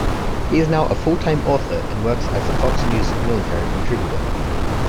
He is now a full-time author, and works as a Fox News military contributor.